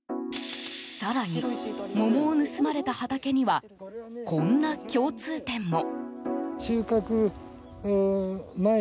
更に、桃を盗まれた畑にはこんな共通点も。